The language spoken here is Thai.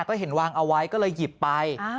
ก็เห็นวางเอาไว้ก็เลยหยิบไป